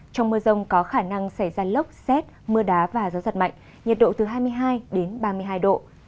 trong mưa rông có khả năng xảy ra lốc xét mưa đá và gió giật mạnh nhiệt độ từ hai mươi hai đến ba mươi hai độ